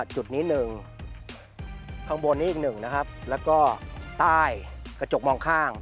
จุดนี้๑ข้างบนนี้อีก๑นะครับแล้วก็ใต้กระจกมองข้าง